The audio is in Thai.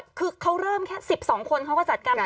๖๐๐นาทีเขาเริ่มแค่๑๒คนจัดการ